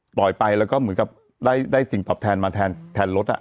ปล่อยไปแล้วก็เหมือนกับได้สิ่งตอบแทนมาแทนรถ